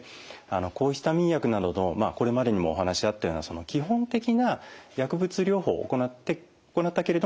抗ヒスタミン薬などのこれまでにもお話あったような基本的な薬物療法を行ったけれども改善しない方が対象になります。